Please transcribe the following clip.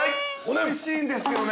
◆おいしいんですけどね。